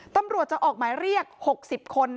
ตำรวจจะออกหมายเรียก๖๐คน